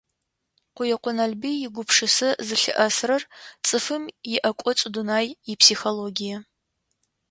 Къуекъо Налбый игупшысэ зылъыӏэсрэр цӏыфым иӏэкӏоцӏ дунай, ипсихологие.